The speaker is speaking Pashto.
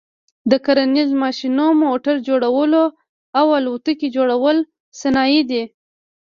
د کرنیز ماشینو، موټر جوړلو او الوتکي جوړلو صنایع دي.